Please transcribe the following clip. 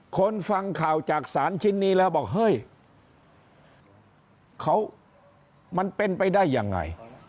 ฟังข่าวจากสารชิ้นนี้แล้วบอกเฮ้ยเขามันเป็นไปได้ยังไง